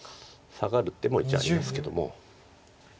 サガる手も一応ありますけども。